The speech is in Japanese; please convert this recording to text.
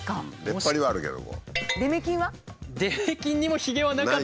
出っ張りはあるけど。